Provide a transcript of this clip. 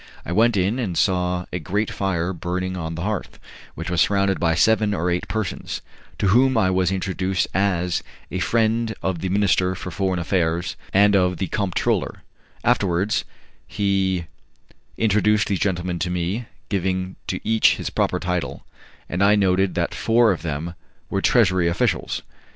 I went in and saw a great fire burning on the hearth, which was surrounded by seven or eight persons, to whom I was introduced as a friend of the minister for foreign affairs and of the comptroller; afterwards he introduced these gentlemen to me, giving to each his proper title, and I noted that four of them were treasury officials.